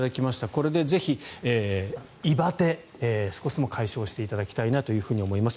これでぜひ胃バテ、少しでも解消していただきたいなと思います。